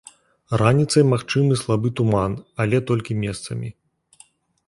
Раніцай магчымы слабы туман, але толькі месцамі.